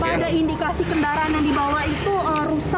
jadi layak ya pak untuk kendaraan itu sebenarnya